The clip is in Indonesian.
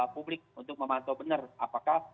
publik untuk memantau benar apakah